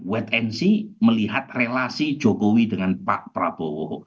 wait and see melihat relasi jokowi dengan pak prabowo